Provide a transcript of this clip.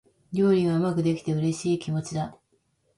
料理がうまくできて、嬉しい気持ちだ。